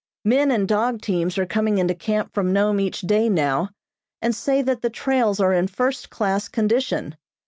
Men and dog teams are coming into camp from Nome each day now, and say that the trails are in first class condition.